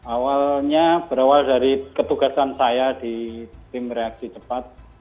awalnya berawal dari ketugasan saya di tim reaksi cepat